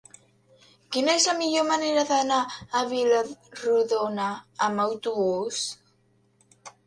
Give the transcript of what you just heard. Quina és la millor manera d'anar a Vila-rodona amb autobús?